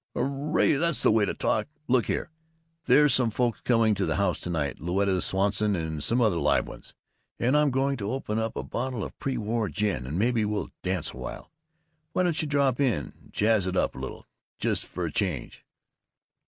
"Hurray! That's the way to talk! Look here: There's some folks coming to the house to night, Louetta Swanson and some other live ones, and I'm going to open up a bottle of pre war gin, and maybe we'll dance a while. Why don't you drop in and jazz it up a little, just for a change?"